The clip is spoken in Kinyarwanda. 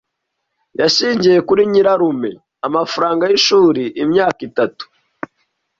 Yashingiye kuri nyirarume amafaranga yishuri imyaka itatu.